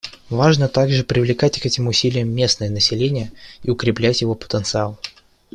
Важно также привлекать к этим усилиям местное население и укреплять его потенциал.